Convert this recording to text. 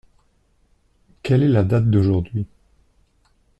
Quel est la date d’aujourd’hui ?